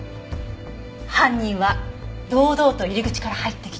犯人は堂々と入り口から入ってきた。